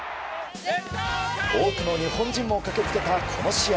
多くの日本人も駆け付けたこの試合。